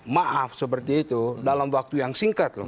maaf seperti itu dalam waktu yang singkat